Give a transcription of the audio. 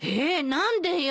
何でよ。